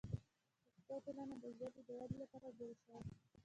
پښتو ټولنه د ژبې د ودې لپاره جوړه شوه.